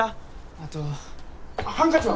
あとハンカチは？